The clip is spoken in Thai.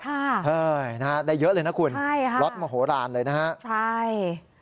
ค่ะใช่ค่ะได้เยอะเลยนะคุณล็อตโมโหราณเลยนะฮะใช่